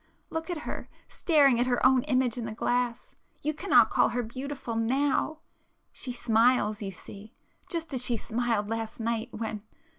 Look at her, staring at her own image in the glass,—you cannot call her beautiful—now! She smiles, you see,—just as she smiled last night when